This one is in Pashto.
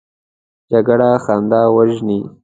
جګړه خندا وژني